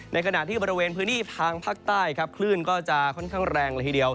ในขณะที่บริเวณพื้นที่ทางภาคใต้ครับคลื่นก็จะค่อนข้างแรงละทีเดียว